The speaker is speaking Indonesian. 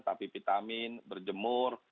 tapi vitamin berjemur